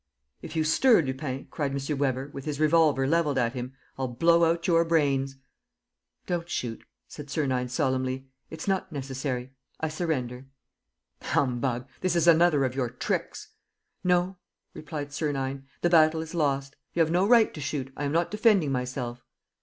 "If you stir, Lupin," cried M. Weber, with his revolver leveled at him, "I'll blow out your brains."' "Don't shoot." said Sernine, solemnly. "It's not necessary. I surrender." "Humbug! This is another of your tricks!" "No," replied Sernine, "the battle is lost. You have no right to shoot. I am not defending myself."